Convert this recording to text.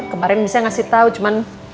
kemarin bisa ngasih tau cuman